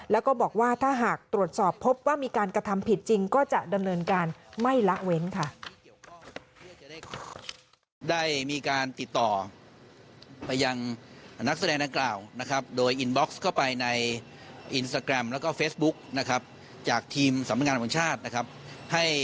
แล้วก็บอกว่าถ้าหากตรวจสอบพบว่ามีการกระทำผิดจริงก็จะดำเนินการไม่ละเว้นค่ะ